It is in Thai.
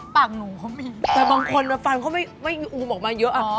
หนูเขามีแต่บางคนมาฟังเขาไม่อูมออกมาเยอะ